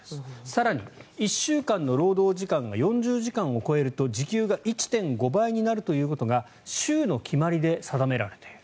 更に、１週間の労働時間が４０時間を超えると時給が１．５倍になるということが州の決まりで定められている。